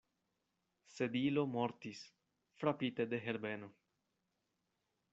Sedilo mortis, frapite de Herbeno.